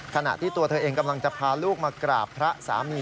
ขณะที่ตัวเธอเองกำลังจะพาลูกมากราบพระสามี